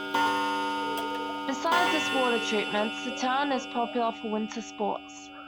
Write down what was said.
Beside its water treatments, the town is popular for winter sports.